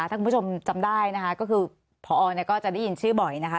ถ้าคุณผู้ชมจำได้นะคะก็คือพอก็จะได้ยินชื่อบ่อยนะคะ